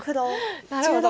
なるほど。